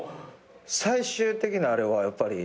最終的なあれはやっぱり。